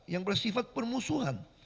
yang bersifat permusuhan